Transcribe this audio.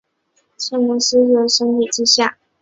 提契诺鳄的四肢以垂直方式位于身体之下。